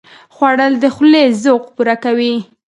خوړل د خولې ذوق پوره کوي